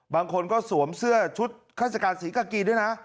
บางคนก็สวมเสื้อชุดข้าราชการศรีกากีด้วยนะ